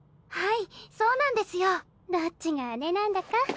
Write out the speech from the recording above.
はいそうなんですよ。どっちが姉なんだか。